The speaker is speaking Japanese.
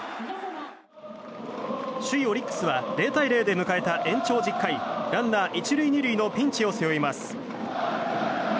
首位オリックスは０対０で迎えた延長１０回ランナー１塁２塁のピンチを背負います。